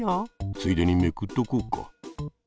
ついでにめくっとこうか。